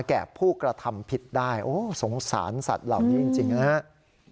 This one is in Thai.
แก่ผู้กระทำผิดได้โอ้สงสารสัตว์เหล่านี้จริงนะครับ